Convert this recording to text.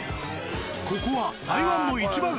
ここは台湾の市場街。